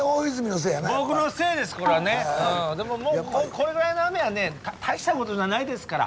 これぐらいの雨はね大したことじゃないですから。